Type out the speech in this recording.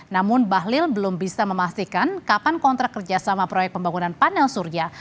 namun bahlil belum bisa memastikan kapan kontrak kerjasama proyek pembangunan panel surya